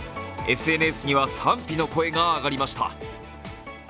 ＳＮＳには賛否の声が上がりました。